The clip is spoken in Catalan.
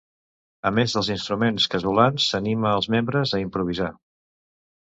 A més dels instruments casolans s'anima els membres a improvisar.